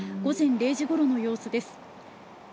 午前０時ごろの様子です。